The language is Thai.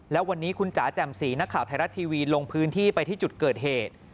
แล้ววันนี้คุณจ๋าแจ่มสีนักข่าวไทยรัฐทีวีลงพื้นที่ไปที่จุดเกิดเหตุ